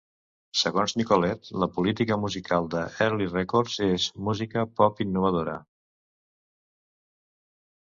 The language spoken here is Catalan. Segons Nicolette, la política musical de Early Records es: música pop innovadora.